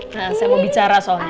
nah saya mau bicara soalnya